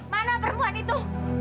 mana perempuan itu